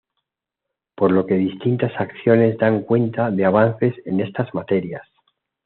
Por lo que distintas acciones dan cuenta de avances en estas materias.